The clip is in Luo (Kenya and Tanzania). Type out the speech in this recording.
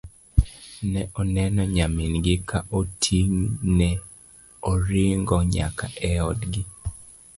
ne oneno nyamin gi ka oting' ne oringo nyaka e odgi